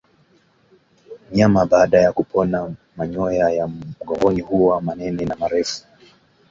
Mnyama baada ya kupona manyoya ya mgongoni huwa manene na marefu